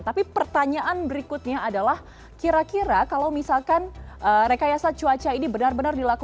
tapi pertanyaan berikutnya adalah kira kira kalau misalkan rekayasa cuaca ini benar benar dilakukan